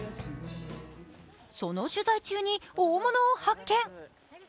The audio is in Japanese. その取材中に大物を発見。